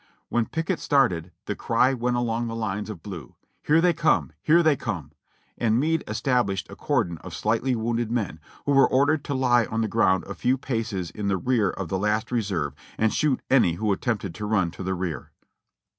When Pickett started, the cry went along the lines of blue, "Here they come! Here they come!" and Meade established a cordon of slightly wounded men, who were ordered to He on the ground a few paces in the rear of the last reserve and shoot any who attempted to run to the rear.